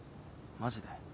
マジで？